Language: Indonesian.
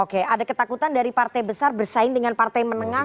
oke ada ketakutan dari partai besar bersaing dengan partai menengah